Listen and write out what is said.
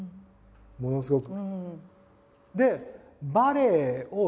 ものすごく。